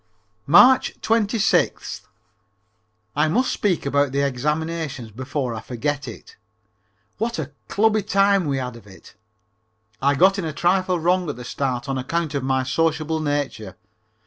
March 26th. I must speak about the examinations before I forget it. What a clubby time we had of it. I got in a trifle wrong at the start on account of my sociable nature.